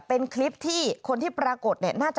เป็นคลิปที่คนที่ปรากฏเนี่ย